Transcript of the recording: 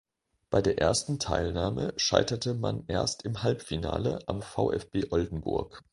Bei der ersten Teilnahme scheiterte man erst im Halbfinale am VfB Oldenburg.